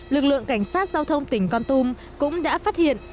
lực lượng cảnh sát giao thông tỉnh con tum cũng đã phát hiện